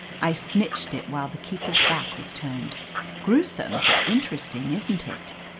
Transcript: "I snitched it while the keeper's back was turned. Gruesome, but interesting, isn't it?